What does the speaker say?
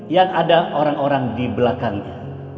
yang ada orang orang di belakangnya